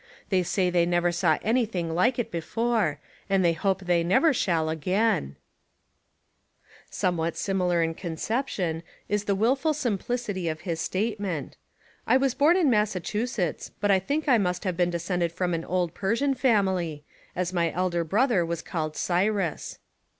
They say they never saw anything like it before, and they hope they never shall again," Somewhat similar in conception is the will ful simplicity of his statement, — "I was born in Massachusetts, but I think I must have been descended from an old Persian family, as my elder brother was called Cyrus."